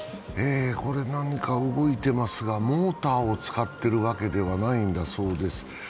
これ、何か動いてますが、モーターを使ってるわけではないんだそうです。